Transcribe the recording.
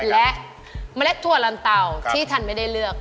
และเมล็ดถั่วลันเตาที่ท่านไม่ได้เลือก